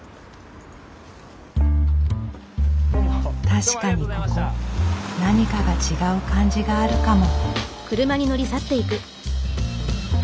確かにここ何かが違う感じがあるかも。